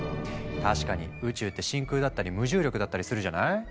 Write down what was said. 確かに宇宙って真空だったり無重力だったりするじゃない？